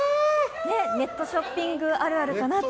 ネットショッピングあるあるかなと。